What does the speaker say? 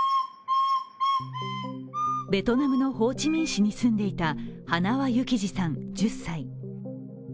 ベトナムのホーチミン市に住んでいた塙幸士さん１０歳。